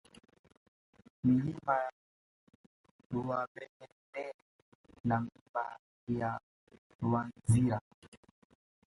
Milima ya Rwaburendere na Milima ya Rwanzira